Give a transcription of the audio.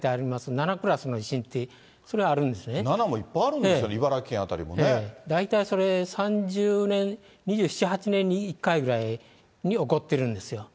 ７クラスの地震って、それは７もいっぱいあるんですよね、大体それ、３０年、２７、８年に１回ぐらいに起こってるんですよ。